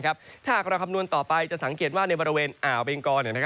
ถ้าหากเราคำนวณต่อไปจะสังเกตว่าในบริเวณอ่าวเบงกอ